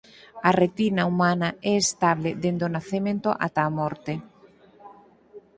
A retina humana é estable dende o nacemento ata a morte.